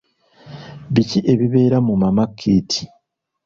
Biki ebibeera mu mama kit?